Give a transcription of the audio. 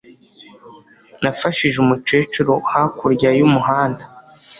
Nafashije umukecuru hakurya y'umuhanda.